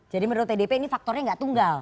jadi menurut tdp ini faktornya nggak tunggal